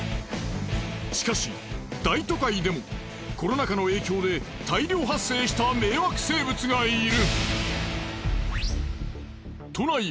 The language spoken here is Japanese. しかし大都会でもコロナ禍の影響で大量発生した迷惑生物がいる。